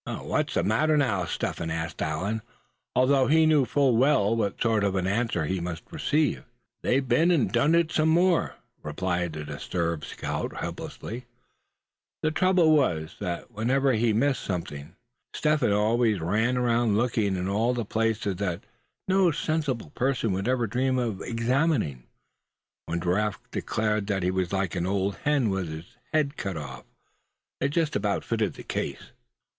"What's the matter now, Step Hen?" asked Allan; although he knew full well what sort of an answer he must receive. "They've been and done it some more," replied the disturbed scout, helplessly. The trouble was, that whenever he missed anything Step Hen always ran around looking in all the places that no sensible person would ever dream of examining. When Giraffe declared that he was like an old hen with its head taken off, it just about fitted the case.